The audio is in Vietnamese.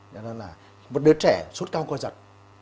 nói đơn là một đứa trẻ suốt cao qua giật